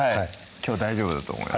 きょう大丈夫だと思います